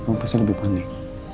kamu pasti lebih panik